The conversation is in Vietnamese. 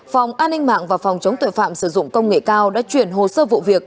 phòng an ninh mạng và phòng chống tội phạm sử dụng công nghệ cao đã chuyển hồ sơ vụ việc